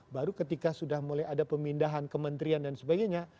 baru ketika sudah mulai ada pemindahan kementerian dan sebagainya